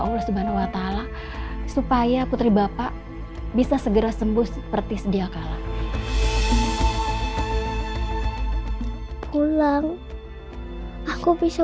allah subhanahu wa ta'ala supaya putri bapak bisa segera sembuh seperti sediakala pulang aku bisa